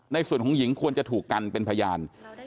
ในส่วนของหญิงควรจะถูกกันเป็นพยาน